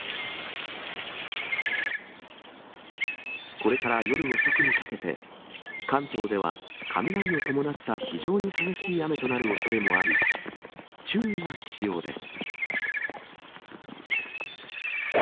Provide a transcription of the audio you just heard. これから夜遅くにかけて、関東では雷を伴った非常に激しい雨となるおそれもあり、注意が必要です。